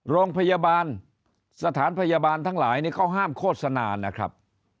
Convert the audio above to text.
โรงพยาบาลสถานพยาบาลทั้งหลายนี่เขาห้ามโฆษณานะครับ